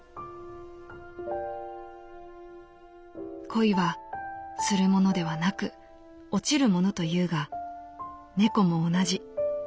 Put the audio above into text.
「恋は『する』ものではなく『落ちる』ものというが猫も同じ。